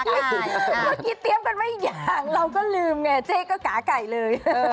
เมื่อกี้เตรียมกันไว้อย่างเราก็ลืมไงเจ๊ก็ก๋าไก่เลย